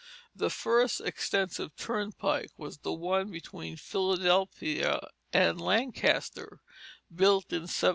The first extensive turnpike was the one between Philadelphia and Lancaster, built in 1792.